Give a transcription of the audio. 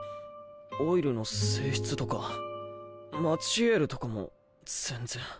オイルの性質とかマチエールとかも全然。